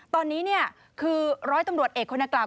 ตอนนี้คือร้อยตำรวจเอกคนนักกล่าว